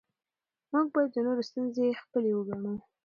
موږ باید د نورو ستونزې خپلې وګڼو